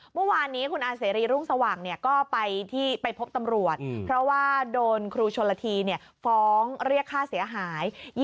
เมื่อวานนี้คุณอาเสรีรุ่งสว่างก็ไปพบตำรวจเพราะว่าโดนครูชนละทีฟ้องเรียกค่าเสียหาย